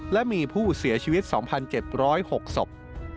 และมีผู้เสียชีวิต๒๗๐๖ศพ